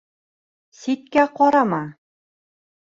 Ситкә ҡарама!